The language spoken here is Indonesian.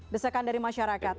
desakan dari masyarakat